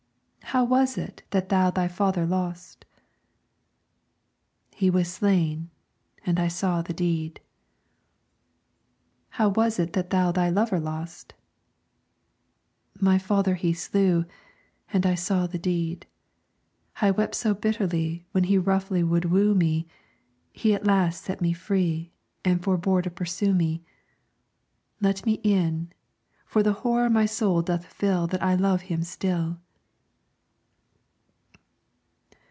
"How was it that thou thy father lost?" "He was slain, and I saw the deed." "How was it that thou thy lover lost?" "My father he slew, and I saw the deed. I wept so bitterly When he roughly would woo me, He at last set me free, And forbore to pursue me. Let me in, for the horror my soul doth fill That I love him still."